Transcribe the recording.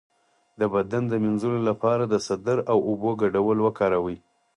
د بدن د مینځلو لپاره د سدر او اوبو ګډول وکاروئ